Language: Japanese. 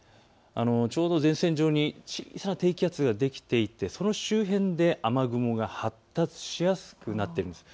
ちょうど前線上に小さな低気圧ができていて、その周辺で雨雲が発達しやすくなっています。